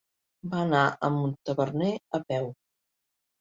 Va anar a Montaverner a peu.